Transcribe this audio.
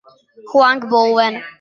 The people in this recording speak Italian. Huang Bowen